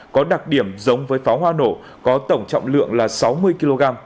có đặc điểm giống với pháo hoa nổ có tổng trọng lượng là sáu mươi kg